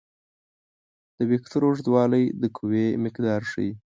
د وکتور اوږدوالی د قوې مقدار ښيي.